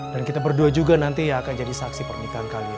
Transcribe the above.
dan kita berdua juga nanti akan jadi saksi pernikahan kalian